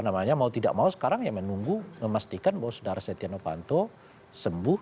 jadi ya mau tidak mau sekarang ya menunggu memastikan bahwa saudara stenovanto sembuh